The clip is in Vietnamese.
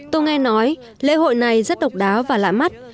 tôi nghe nói lễ hội này rất độc đáo và lạ mắt